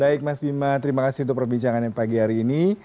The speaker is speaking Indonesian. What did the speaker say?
baik mas bima terima kasih untuk perbincangannya pagi hari ini